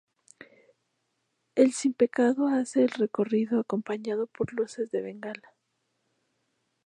El simpecado hace el recorrido acompañado por luces de bengalas.